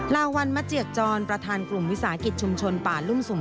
ลาวัลมะเจียกจรประธานกลุ่มวิสาหกิจชุมชนป่าลุ่มสุ่ม